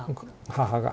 母が。